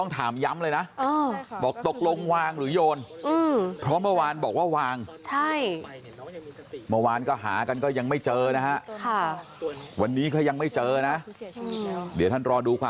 ถ้าเกิดเขารู้เรากลัวว่าเขาจะเสียใจไหมอย่างนี้นะ